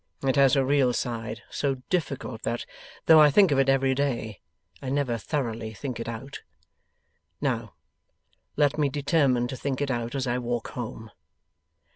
It has a real side, so difficult that, though I think of it every day, I never thoroughly think it out. Now, let me determine to think it out as I walk home.